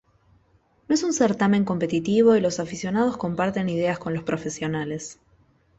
No es un certamen competitivo y los aficionados comparten ideas con los profesionales.